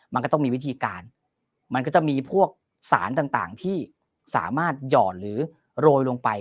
มันก็ต้องมีวิธีการมันก็จะมีพวกสารต่างที่สามารถหย่อนหรือโรยลงไป